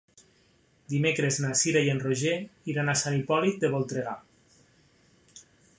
Dimecres na Cira i en Roger iran a Sant Hipòlit de Voltregà.